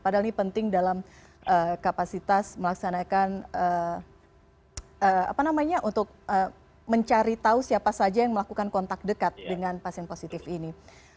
padahal ini penting dalam kapasitas melaksanakan apa namanya untuk mencari tahu siapa saja yang melakukan kontak dekat dengan pasien positif ini